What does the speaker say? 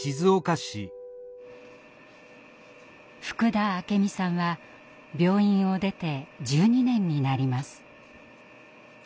福田明美さんは病院を出て１２年になります。